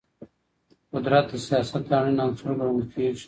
قدرت د سیاست اړین عنصر ګڼل کیږي.